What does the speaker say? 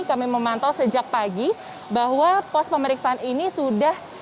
kami memantau sejak pagi bahwa pos pemeriksaan ini sudah